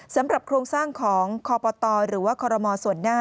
สำหรับโครงสร้างของคปตหรือว่าคมสน